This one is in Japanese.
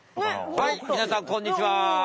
はいみなさんこんにちは！